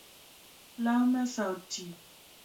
Law mesa oti